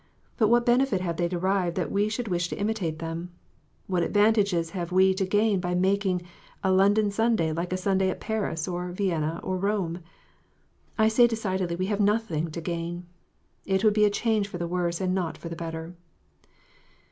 But what benefit have they derived that we should wish to imitate them? What advantages have we to gain by making a London Sunday like a Sunday at Paris, or Vienna, or Koine 1 ? I say decidedly we have nothing to gain. It would be a change for the worse, and not for the better.